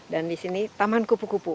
dan di sini taman kupu kupu